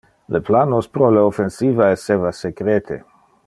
Le planos pro le offensiva esseva secrete.